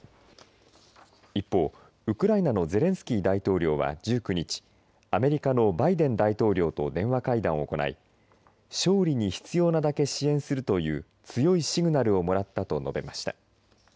一方、ウクライナのゼレンスキー大統領は１９日アメリカのバイデン大統領と電話会談を行い勝利に必要なだけ支援するという強いシグナルをもらったと述べました。